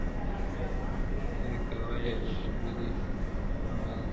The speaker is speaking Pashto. هی کوه یې لکه ډلي د اوزگړو -